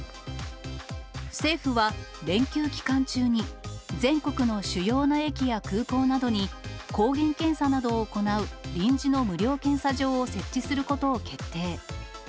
政府は、連休期間中に、全国の主要な駅や空港などに、抗原検査などを行う臨時の無料検査場を設置することを決定。